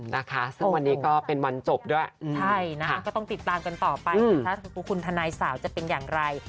นะคะวันนี้ก็เป็นวันจบด้วยใช่ก็ต้องติดตามกันต่อไปหรือถ้าถูกคุณฐนายสาวจะเป็นอย่างไร